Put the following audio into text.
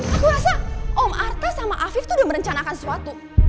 aku rasa om artha sama afif tuh udah merencanakan sesuatu